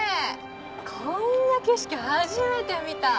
こんな景色初めて見た。